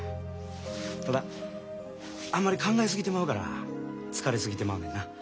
ただあまり考え過ぎてまうから疲れ過ぎてまうねんな。